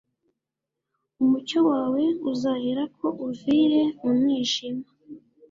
umucyo wawe uzaherako uvire mu mwijima